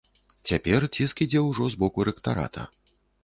Цяпер ціск ідзе ўжо з боку рэктарата.